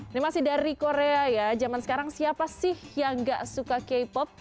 ini masih dari korea ya zaman sekarang siapa sih yang gak suka k pop